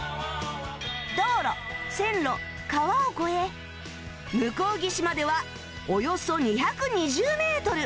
道路線路川を越え向こう岸まではおよそ２２０メートル